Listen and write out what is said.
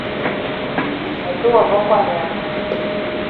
Me te wa ve ngoan yama.